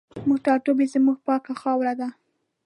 زموږ ټاټوبی زموږ پاکه خاوره ده